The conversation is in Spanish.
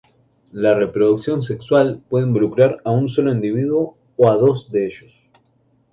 La reproducción sexual puede involucrar a un solo individuo o a dos de ellos.